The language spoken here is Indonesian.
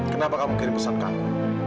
kenapa kamu kirim pesan kamu